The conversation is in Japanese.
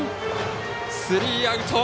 スリーアウト。